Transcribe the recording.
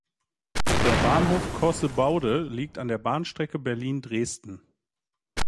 Der Bahnhof Cossebaude liegt an der Bahnstrecke Berlin–Dresden.